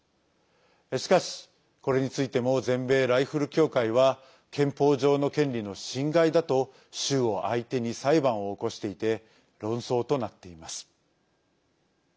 しかし、これについても全米ライフル協会は憲法上の権利の侵害だと州を相手に裁判を起こしていて論争となっています。